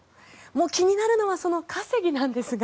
気になるのは稼ぎなんですが。